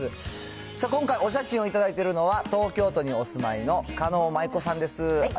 今回、お写真を頂いているのは、東京都にお住まいの狩野舞子さんです。